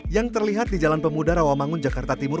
yang terlihat di jalan pemuda rawamangun jakarta timur